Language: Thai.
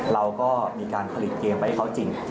เราก็มีการผลิตเกมไปให้เขาจริง